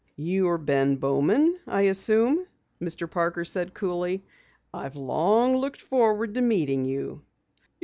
"You are Ben Bowman I assume," Mr. Parker said coolly. "I've long looked forward to meeting you."